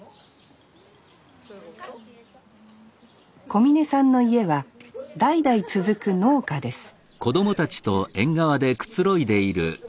小峯さんの家は代々続く農家です